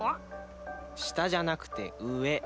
「下」じゃなくて「上」。